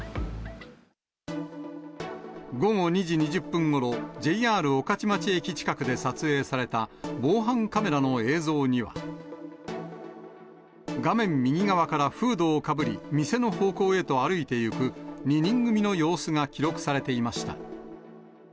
午後２時２０分ごろ、ＪＲ御徒町駅近くで撮影された、防犯カメラの映像には、画面右側からフードをかぶり、店の方向へと歩いていく、２人組の様子が記録されていました。